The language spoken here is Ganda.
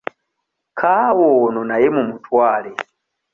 Kaawa ono naye mumutwale.